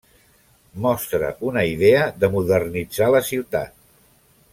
Mostra una idea de modernitzar la ciutat.